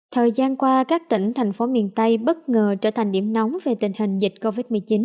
thời gian qua các tỉnh thành phố miền tây bất ngờ trở thành điểm nóng về tình hình dịch covid một mươi chín